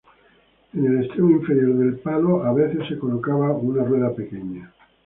En el extremo inferior del palo a veces se colocaba una rueda pequeña.